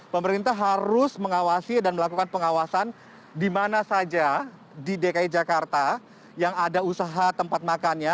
pemerintah harus mengawasi dan melakukan pengawasan di mana saja di dki jakarta yang ada usaha tempat makannya